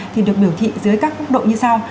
thì được biểu thị dưới các mức độ như sau